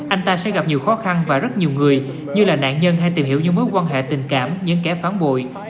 anh ta sẽ gặp nhiều khó khăn và rất nhiều người như là nạn nhân hay tìm hiểu những mối quan hệ tình cảm những kẻ phản bội